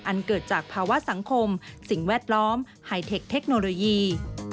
อันเกิดจากภาวะสังคมสิ่งแวดล้อมไฮเทคโนโลยี